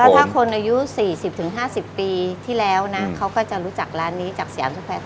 ก็ถ้าคนอายุสี่สิบถึงห้าสิบปีที่แล้วนะเขาก็จะรู้จักร้านนี้จากสยามทุกแพทย์